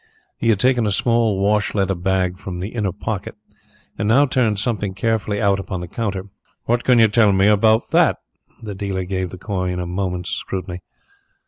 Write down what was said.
He had taken a small wash leather bag from the inner pocket and now turned something carefully out upon the counter. "What can you tell me about that?" The dealer gave the coin a moment's scrutiny.